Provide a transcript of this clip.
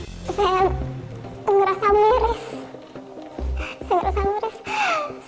saya merasa miris